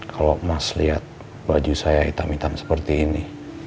kalo mas liat baju saya hitam hitam seperti ini